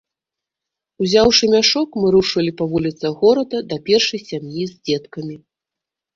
Узяўшы мяшок, мы рушылі па вуліцах горада да першай сям'і з дзеткамі.